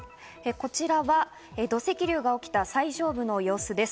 こちらは土石流が起きた最上部の様子です。